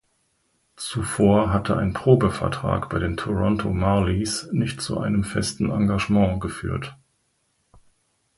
Zuvor hatte ein Probevertrag bei den Toronto Marlies nicht zu einem festen Engagement geführt.